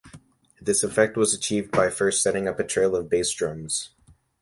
This effect was achieved by first setting up a trail of bass drums.